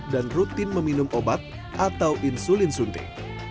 dan rutin meminum obat atau insulin suntik